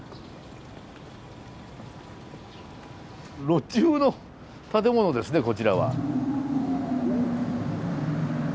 ロッジ風の建物ですねこちらは。